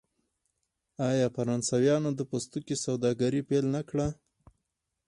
آیا فرانسویانو د پوستکي سوداګري پیل نه کړه؟